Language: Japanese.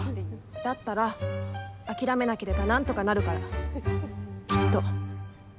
だったら諦めなければなんとかなるから、きっと。